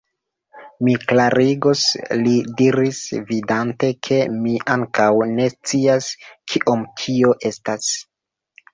Mi klarigos, li diris, vidante, ke mi ankaŭ ne scias, kiom tio estas.